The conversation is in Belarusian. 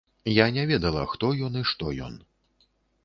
Я не ведала, хто ён і што ён.